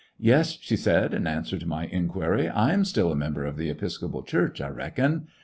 "Yes," she said, in answer to my inquiry, "I am still a member of the Episcopal Church, I reckon.